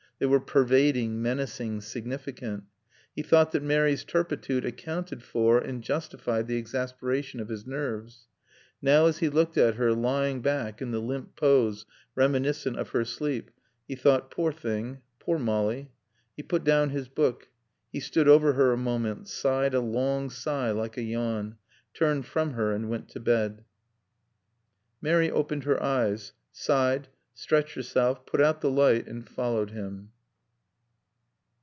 They were pervading, menacing, significant. He thought that Mary's turpitude accounted for and justified the exasperation of his nerves. Now as he looked at her, lying back in the limp pose reminiscent of her sleep, he thought, "Poor thing. Poor Molly." He put down his book. He stood over her a moment, sighed a long sigh like a yawn, turned from her and went to bed. Mary opened her eyes, sighed, stretched herself, put out the light, and followed him.